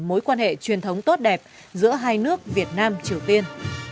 mối quan hệ truyền thống tốt đẹp giữa hai nước việt nam triều tiên